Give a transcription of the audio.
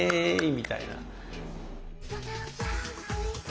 みたいな。